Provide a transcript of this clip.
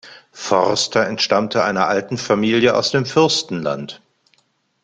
Vorster entstammte einer alten Familie aus dem Fürstenland.